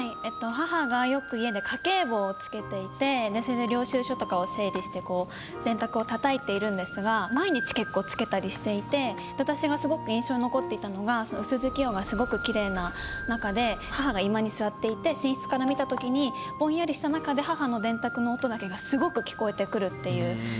母がよく家で家計簿をつけていてそれで電卓をたたいているんですが毎日結構つけたりしていて私がすごく印象に残っていたのが薄月夜がすごくキレイななかで母が居間に座っていて寝室から見た時にぼんやりしたなかで母の電卓の音だけがすごく聞こえてくるっていう状況